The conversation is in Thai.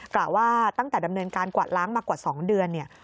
กล่าวว่าตั้งแต่ดำเนินการกวาดล้างมากว่า๒เดือนเนี่ย